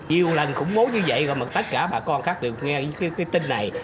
yêu lành khủng mố như vậy mà tất cả bà con khác đều nghe cái tin này